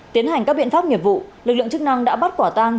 tiến hành các biện pháp nghiệp vụ lực lượng chức năng đã bắt quả tang